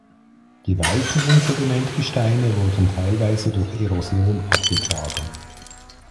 Die weicheren Sedimentgesteine wurden teilweise durch Erosion abgetragen.